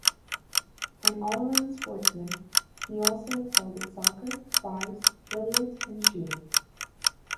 An all-round sportsman, he also excelled at soccer, fives, billiards and shooting.